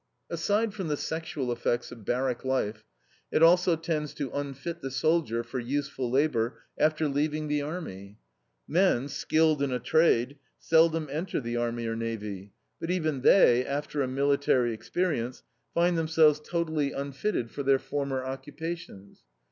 Aside from the sexual effects of barrack life, it also tends to unfit the soldier for useful labor after leaving the army. Men, skilled in a trade, seldom enter the army or navy, but even they, after a military experience, find themselves totally unfitted for their former occupations.